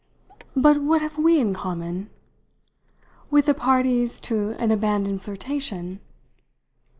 "But what have we in common?" "With the parties to an abandoned flirtation?